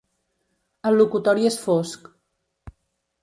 El locutori és fosc.